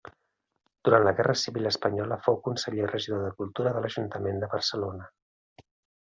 Durant la guerra civil espanyola fou conseller-regidor de Cultura de l'Ajuntament de Barcelona.